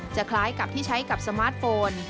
คล้ายกับที่ใช้กับสมาร์ทโฟน